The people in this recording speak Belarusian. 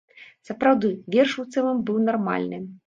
Сапраўды, верш у цэлым быў нармальны.